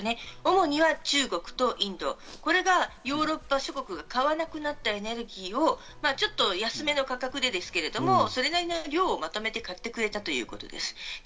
主には中国とインド、これがヨーロッパ諸国が買わなくなったエネルギーをちょっと安めの価格ですけれども、量をまとめて買ってくれたということです。